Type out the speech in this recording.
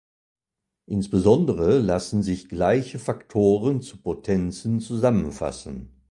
Insbesondere lassen sich gleiche Faktoren zu Potenzen zusammenfassen.